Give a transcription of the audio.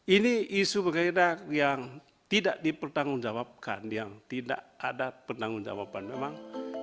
ini isu berhedar yang tidak dipertanggungjawabkan yang tidak ada pertanggungjawaban memang